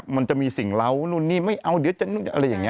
มันจะมีสิ่งเหล้านู่นนี่ไม่เอาเดี๋ยวจะนู่นอะไรอย่างนี้